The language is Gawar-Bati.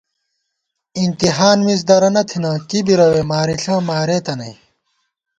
اِنتِہان مِز درَنہ تھنہ کِبی رَوے مارِݪہ مارېتہ نئ